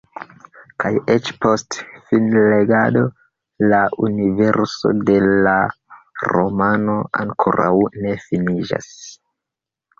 Kaj eĉ post finlegado la universo de la romano ankoraŭ ne finiĝas.